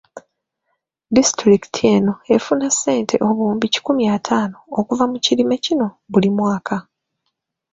Disitulikiti eno efuna ssente obuwumbi kikumi ataano okuva mu kirime kino buli mwaka.